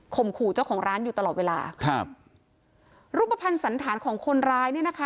ขู่เจ้าของร้านอยู่ตลอดเวลาครับรูปภัณฑ์สันธารของคนร้ายเนี่ยนะคะ